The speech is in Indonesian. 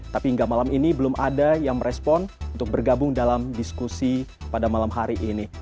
tapi hingga malam ini belum ada yang merespon untuk bergabung dalam diskusi pada malam hari ini